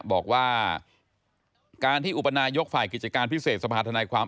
บอกว่าการที่อุปนายกฝ่ายกิจการพิเศษสภาธนายความ